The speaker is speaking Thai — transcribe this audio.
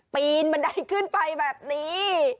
ปีนบันไดขึ้นไปแบบนี้